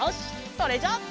それじゃあ。